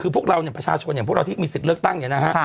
พวกเราที่มีสิทธิ์เลิกตั้ง